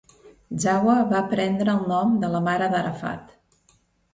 Zahwa va prendre el nom de la mare d'Arafat.